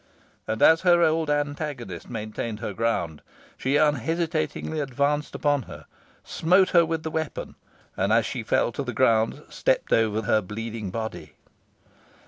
And as her old antagonist maintained her ground, she unhesitatingly advanced upon her, smote her with the weapon, and, as she fell to the ground, stepped over her bleeding body.